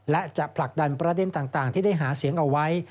และจะผลักดันประเด็นต่างที่ได้หาเสียงเอาไว้